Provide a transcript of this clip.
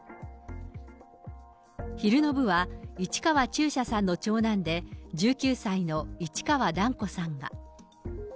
昼の部は、市川中車さんの長男で、１９歳の市川團子さんが。